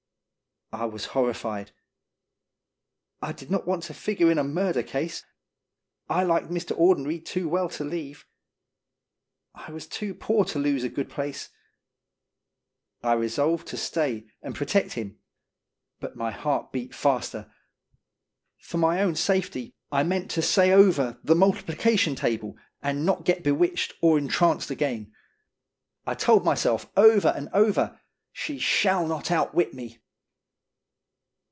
I was horrified. I did not want to figure in a murder case. I liked Mr. Audenried too well to leave. I was too poor to lose a good place. I resolved to stay and protect him, but my heart beat faster. For my own safety I meant to say over the multiplication table, and not 01 0nj0rn Statement. 223 get bewitched or entranced again. I told my self over and over, "She shall not outwit me."